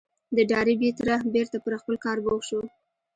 د ډاربي تره بېرته پر خپل کار بوخت شو.